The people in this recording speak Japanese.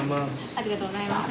ありがとうございます。